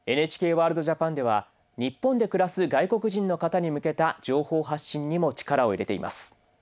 ＮＨＫＷＯＲＬＤＪＡＰＡＮでは日本で暮らす外国人の方に向けた情報発信にも力を入れています。